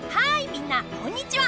みんなこんにちは！